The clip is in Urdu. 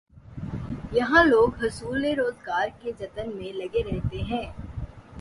یہاں لوگ حصول روزگار کے جتن میں لگے رہتے ہیں۔